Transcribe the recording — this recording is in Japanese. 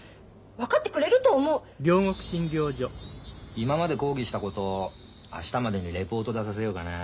今まで講義したこと明日までにレポート出させようかな。